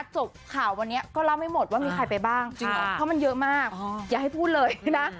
จบข่าววันนี้ก็เล่าไม่หมดว่ามีใครไปบ้างเพราะมันเยอะมากอย่าให้พูดเลยนะ